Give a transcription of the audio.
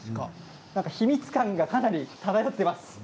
秘密感がかなり漂っています。